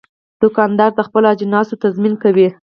دوکاندار د خپلو اجناسو تضمین کوي.